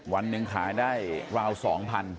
วันนึงขายได้ราวสองพัน